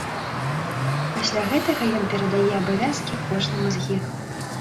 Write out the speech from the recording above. Пасля гэтага ён перадае абавязкі кожнаму з іх.